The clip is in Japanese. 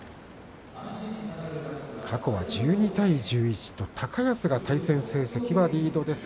過去は１２対１１と高安が対戦成績はリードしています。